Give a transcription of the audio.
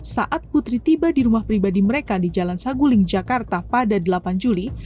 saat putri tiba di rumah pribadi mereka di jalan saguling jakarta pada delapan juli